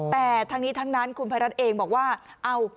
แต่ทั้งนี้ทั้งนั้นคุณภัยรัฐเองบอกว่าเอา